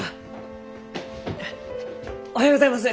おはようございます！